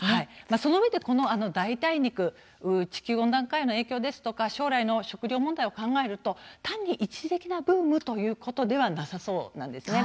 そのうえでこの代替肉地球温暖化への影響ですとか将来の食糧問題を考えると単に一時的なブームということではなさそうなんですね。